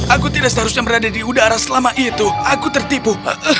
aku tidak seharusnya berada di udara selama itu aku tertipu